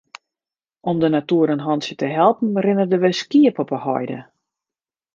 Om de natoer in hantsje te helpen rinne der wer skiep op de heide.